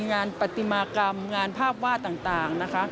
งานปฏิมากรรมงานภาพวาต่าง